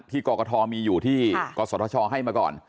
กรกฐมีอยู่ที่กศชให้มาก่อน